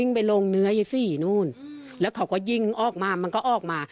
ไปลงเนื้อยายสี่นู่นแล้วเขาก็ยิงออกมามันก็ออกมา